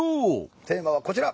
テーマはこちら！